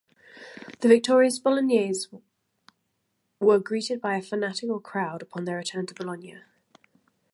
The victorious Bolognese were greeted by a fanatical crowd, upon their return to Bologna.